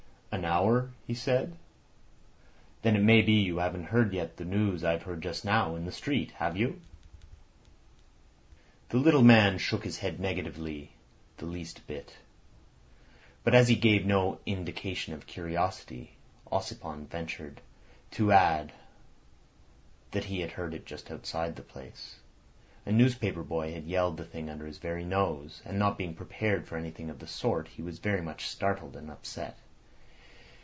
"An hour," he said. "Then it may be you haven't heard yet the news I've heard just now—in the street. Have you?" The little man shook his head negatively the least bit. But as he gave no indication of curiosity Ossipon ventured to add that he had heard it just outside the place. A newspaper boy had yelled the thing under his very nose, and not being prepared for anything of that sort, he was very much startled and upset.